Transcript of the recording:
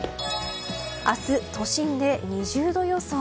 明日、都心で２０度予想。